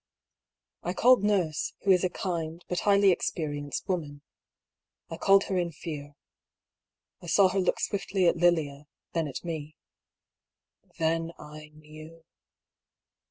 I called Norse, who is a kind, but highly experienced woman. I called her in fear. I saw her look swiftly at Lilia, then at me. Then I knew.